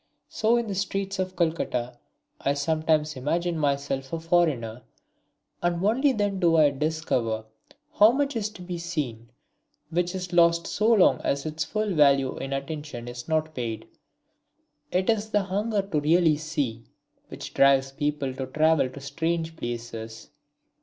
So in the streets of Calcutta I sometimes imagine myself a foreigner, and only then do I discover how much is to be seen, which is lost so long as its full value in attention is not paid. It is the hunger to really see which drives people to travel to strange places.